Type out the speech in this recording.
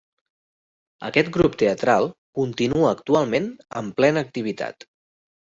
Aquest grup teatral continua actualment amb plena activitat.